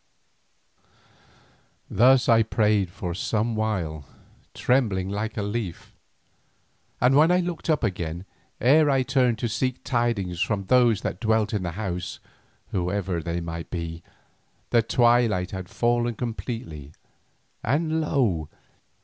Thus I prayed for some while, trembling like a leaf, and when I looked up again, ere I turned to seek tidings from those that dwelt in the house, whoever they might be, the twilight had fallen completely, and lo!